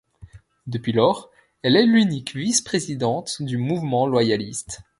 Depuis lors, elle est l'unique vice-présidente du mouvement loyaliste.